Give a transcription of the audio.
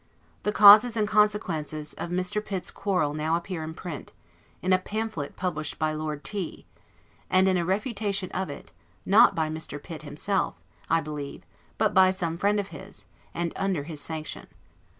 The causes and consequences of Mr. Pitt's quarrel now appear in print, in a pamphlet published by Lord T ; and in a refutation of it, not by Mr. Pitt himself, I believe, but by some friend of his, and under his sanction.